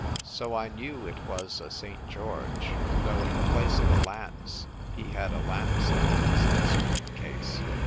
So I knew it was a St. George, though in place of a lance he had a lancet in his instru ment case.